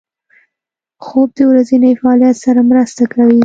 خوب د ورځني فعالیت سره مرسته کوي